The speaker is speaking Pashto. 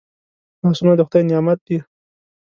لاسونه د خدای نعمت دی